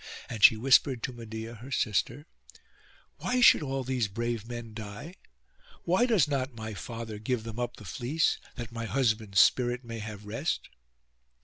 And she whispered to Medeia her sister, 'Why should all these brave men die? why does not my father give them up the fleece, that my husband's spirit may have rest?